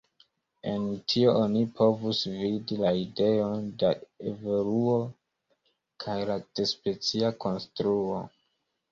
En tio oni povus vidi la ideon de evoluo kaj de specia konstruo.